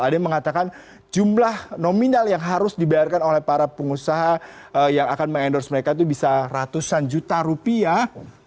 ada yang mengatakan jumlah nominal yang harus dibayarkan oleh para pengusaha yang akan mengendorse mereka itu bisa ratusan juta rupiah